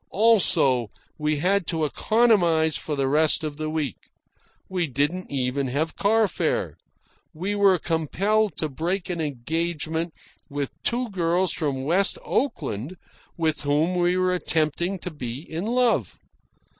Also, we had to economise for the rest of the week. We didn't even have car fare. We were compelled to break an engagement with two girls from West Oakland with whom we were attempting to be in love.